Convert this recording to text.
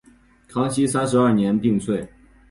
康熙三十二年病卒。